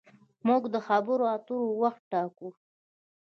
موږ د خبرو اترو وخت ټاکو.